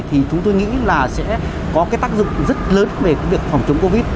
thì chúng tôi nghĩ là sẽ có cái tác dụng rất lớn về cái việc phòng chống covid